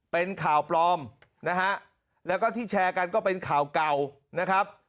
เป็นข่าวปลอมนะฮะแล้วก็ที่แชร์กันก็เป็นข่าวเก่านะครับ